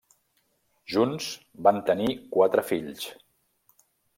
Junts van tenir quatre fills.